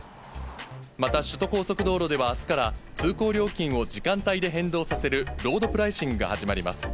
また首都高速道路では、あすから通行料金を時間帯で変動させる、ロードプライシングが始まります。